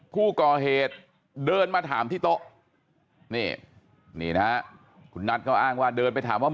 ผู้ก่อเหตุเดินมาถามที่โต๊ะนี่นี่นะคุณนัทเขาอ้างว่าเดินไปถามว่า